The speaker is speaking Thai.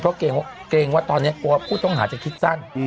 เพราะเกรงว่าตอนนี้กลัวผู้ต้องหาจะคิดสั้น